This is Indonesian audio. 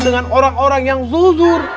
dengan orang orang yang zuzur